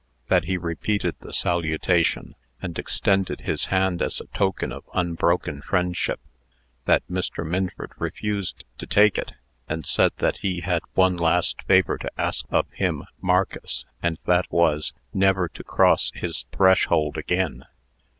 That he repeated the salutation, and extended his hand as a token of unbroken friendship. That Mr. Minford refused to take it, and said that he had one last favor to ask of him (Marcus), and that was, never to cross his threshold again.